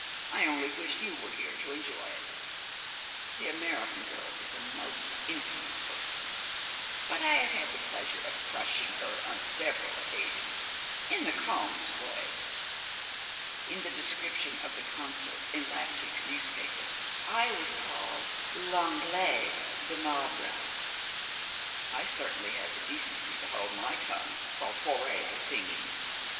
I only wish you were here to enjoy it. The American girl is a most insolent person, but I have had the pleasure of crushing her on several occasions in the calmest way. In the description of the concert in last week's newspaper I was called l'Anglais de marbre. I certainly had the decency to hold my tongue while Faure was singing.